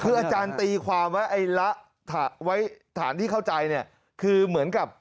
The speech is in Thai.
คืออาจารย์ตีความว่าไอ้ฐานที่เข้าใจเนี่ยคือเหมือนกับ